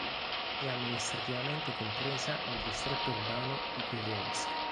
È amministrativamente compresa nel distretto urbano di Gur'evsk.